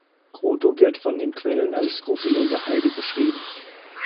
Kruto wird von den Quellen als skrupelloser Heide beschrieben.